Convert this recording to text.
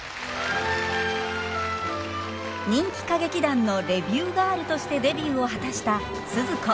人気歌劇団のレビューガールとしてデビューを果たしたスズ子。